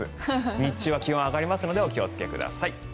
日中は気温が上がるのでお気をつけください。